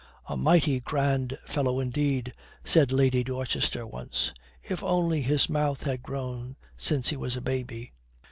"A mighty grand fellow indeed," said Lady Dorchester once, "if only his mouth had grown since he was a baby."